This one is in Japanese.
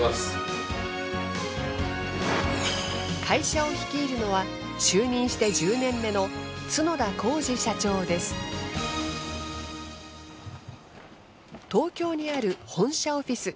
会社を率いるのは就任して１０年目の東京にある本社オフィス。